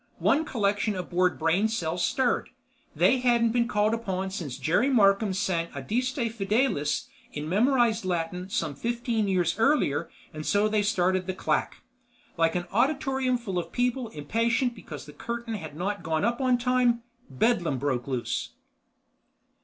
One collection of bored brain cells stirred. They hadn't been called upon since Jerry Markham sang "Adeste Fidelis" in memorized Latin some fifteen years earlier and so they started the claque. Like an auditorium full of people impatient because the curtain had not gone up on time, bedlam broke loose.